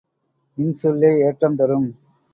இன்சொல்லே ஏற்றம் தரும்.